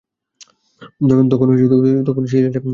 তখন সেই লীলায় আমিও যোগ দেব।